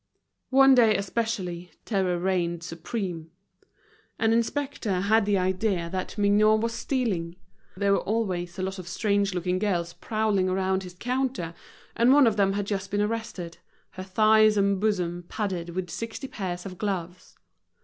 One day especially terror reigned supreme. An inspector had the idea that Mignot was stealing. There were always a lot of strange looking girls prowling around his counter; and one of them had just been arrested, her thighs and bosom padded with sixty pairs of gloves.